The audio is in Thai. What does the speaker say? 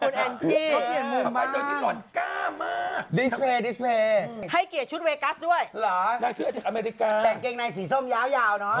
แต่เกงในสีส้มยาวเนาะ